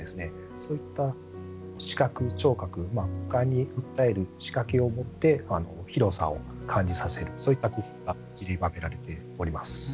そういった視覚、聴覚五感に訴える仕掛けを持たせて広さを感じさせるそういった工夫がちりばめられております。